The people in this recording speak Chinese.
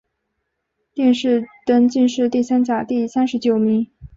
殿试登进士第三甲第三十九名。